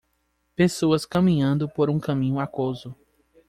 Pessoas caminhando por um caminho aquoso.